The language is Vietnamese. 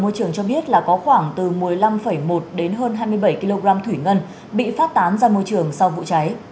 môi trường cho biết là có khoảng từ một mươi năm một đến hơn hai mươi bảy kg thủy ngân bị phát tán ra môi trường sau vụ cháy